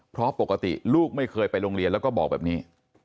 เพราะปกติลูกไม่เคยไปโรงเรียนแล้วก็บอกแบบนี้